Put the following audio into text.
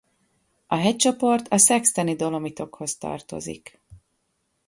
A hegycsoport a Sexteni-Dolomitokoz tartozik.